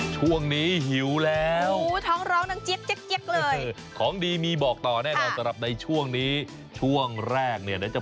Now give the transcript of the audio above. ช่องนี้หิวแล้วช่องร้อนจี๊บเลยของดีมีบอกต่อแน่ต่อตระกับในช่วงนี้ช่วงแรกเนี่ยจะ